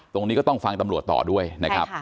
ตรงนี้ก็ต้องฟังตำรวจต่อด้วยนะครับ